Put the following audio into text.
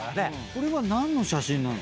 これは何の写真なの？